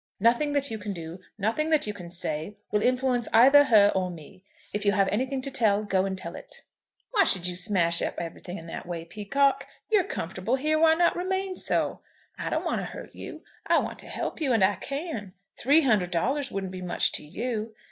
Nothing that you can do, nothing that you can say, will influence either her or me. If you have anything to tell, go and tell it." "Why should you smash up everything in that way, Peacocke? You're comfortable here; why not remain so? I don't want to hurt you. I want to help you; and I can. Three hundred dollars wouldn't be much to you.